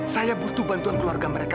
saya butuh bantuan keluarga mereka